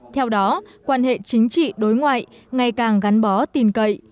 theo đó quan hệ chính trị đối ngoại ngày càng gắn bó tin cậy